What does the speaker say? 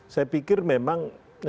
saya pikir memang